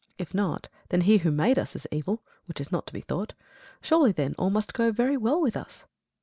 If not, then He who made us is evil, which is not to be thought. Surely, then, all must go very well with us!